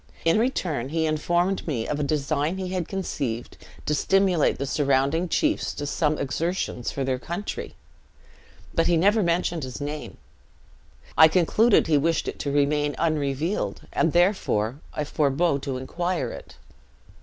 In return, he informed me of a design he had conceived, to stimulate the surrounding chiefs to some exertions for their country; but as he never mentioned his name, I concluded he wished it to remain unrevealed, and therefore I forbore to inquire it.